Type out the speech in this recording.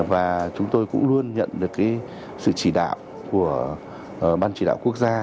và chúng tôi cũng luôn nhận được sự chỉ đạo của ban chỉ đạo quốc gia